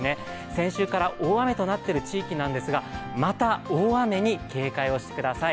先週から大雨となっている地域なんですが、また大雨に警戒してください。